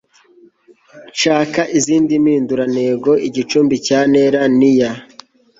shaka izindi mpindurantego igicumbi cya ntera –niya